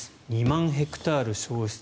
２万ヘクタールが焼失。